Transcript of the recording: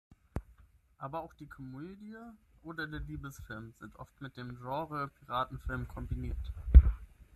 Aber auch die Komödie oder der Liebesfilm sind oft mit dem Genre Piratenfilm kombiniert.